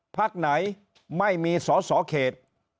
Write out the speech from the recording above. พักไหนไม่มีสอสอเขต